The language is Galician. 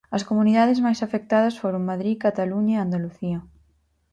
As comunidades máis afectadas foron Madrid, Cataluña e Andalucía.